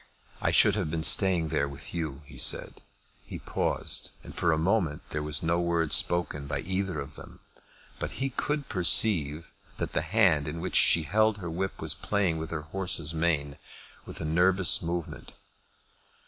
"I should have been staying there with you," he said. He paused, and for a moment there was no word spoken by either of them; but he could perceive that the hand in which she held her whip was playing with her horse's mane with a nervous movement.